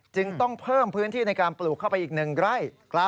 จึงต้องเพิ่มพื้นที่ในการปลูกเข้าไปอีก๑ไร่